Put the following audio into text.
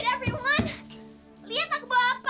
lihat aku bawa apa